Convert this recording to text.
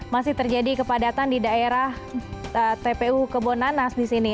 masih terjadi kepadatan di daerah tpu kebonanas disini